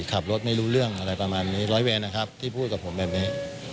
ขับรถไม่รู้เรื่องอะไรประมาณนี้ร้อยเวรนะครับที่พูดกับผมแบบนี้